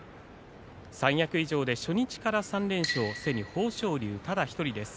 三役以上で初日から３連勝すでに豊昇龍１人です。